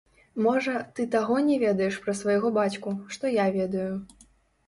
Можа, ты таго не ведаеш пра свайго бацьку, што я ведаю.